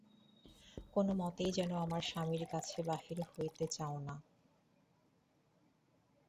কোনোমতেই যেন আমার স্বামীর কাছে বাহির হইতে চাও না।